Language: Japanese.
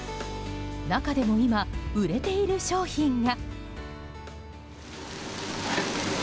中でも今、売れている商品が。